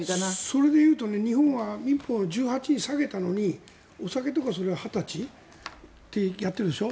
それで言うと日本は民法は１８に下げたのにお酒とかは２０歳ってやっているでしょ。